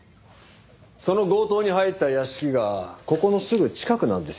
その強盗に入った屋敷がここのすぐ近くなんですよ。